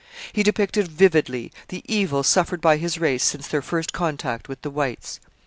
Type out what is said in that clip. He depicted vividly the evils suffered by his race since their first contact with the whites.